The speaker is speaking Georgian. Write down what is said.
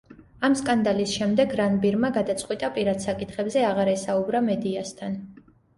ამ სკანდალის შემდეგ, რანბირმა გადაწყვიტა პირად საკითხებზე აღარ ესაუბრა მედიასთან.